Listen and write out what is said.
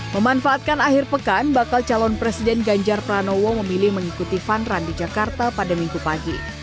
memanfaatkan akhir pekan bakal calon presiden ganjar pranowo memilih mengikuti fun run di jakarta pada minggu pagi